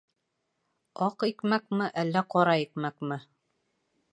Аҡ икмәкме, әллә ҡара икмәкме?